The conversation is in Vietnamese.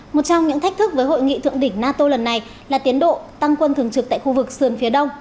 một trong những thách thức với hội nghị thượng đỉnh nato lần này là tiến độ tăng quân thường trực tại khu vực sườn phía đông